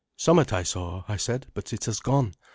"Somewhat I saw," I said, "but it has gone.